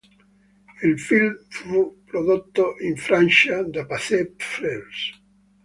Il film fu prodotto in Francia da Pathé Frères.